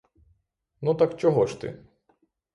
Ну так чого ж ти?